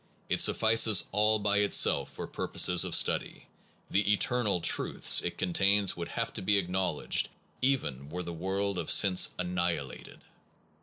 It suffices all by itself for purposes of study. The eternal truths it contains would have to be acknowledged even were the world of sense annihilated.